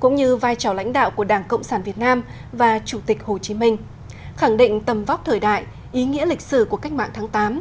cũng như vai trò lãnh đạo của đảng cộng sản việt nam và chủ tịch hồ chí minh khẳng định tầm vóc thời đại ý nghĩa lịch sử của cách mạng tháng tám